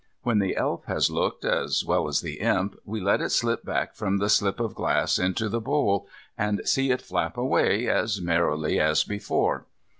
When the Elf has looked as well as the Imp, we let it slip back from the slip of glass into the bowl, and see it flap away, as merrily as before.